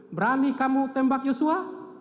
berani kamu tembak yosua